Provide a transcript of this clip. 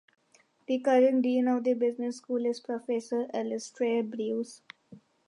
The current dean of the business school is Professor Alistair Bruce.